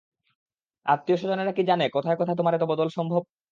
আত্মীয়স্বজনেরা কি জানে, কথায় কথায় তোমার এত বদল সম্ভব।